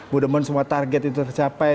mudah mudahan semua target itu tercapai